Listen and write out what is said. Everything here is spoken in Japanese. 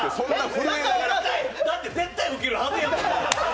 だって絶対うけるはずやもん！